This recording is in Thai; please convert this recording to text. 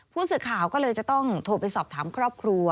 ผู้สื่อข่าวก็เลยจะต้องโทรไปสอบถามครอบครัว